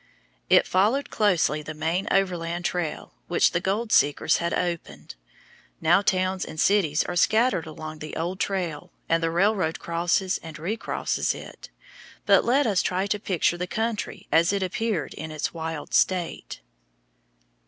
It followed closely the main overland trail which the gold seekers had opened. Now towns and cities are scattered along the old trail, and the railroad crosses and recrosses it. But let us try to picture the country as it appeared in its wild state.